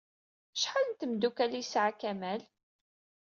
Acḥal n tmeddukal ay yesɛa Kamal?